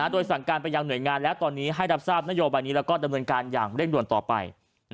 โดยสั่งการไปยังหน่วยงานแล้วตอนนี้ให้รับทราบนโยบายนี้แล้วก็ดำเนินการอย่างเร่งด่วนต่อไป